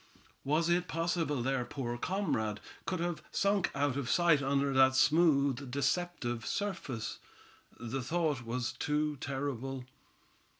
Was it possible their poor comrade could have sunk out of sight under that smooth deceptive surface? The thought was too terrible.